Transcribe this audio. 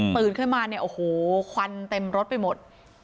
ปืนเข้ามาโอ้โฮควันเต็มรถไปหมด